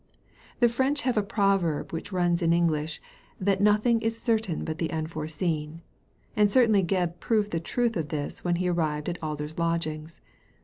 The French have a proverb which runs in English, "that nothing is certain but the unforeseen," and certainly Gebb proved the truth of this when he arrived at Aider's lodgings.